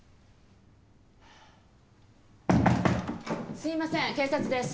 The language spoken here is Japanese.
・すいません警察です。